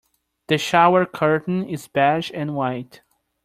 The shower curtain is beige and white.